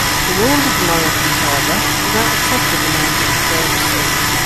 The rulers of the Monarchy, however, did not accepted these demands of the Serbs.